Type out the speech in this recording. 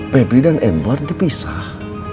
febri dan edward dipisah